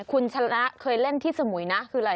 คุณชนะเคยเล่นที่สมุยนะคืออะไร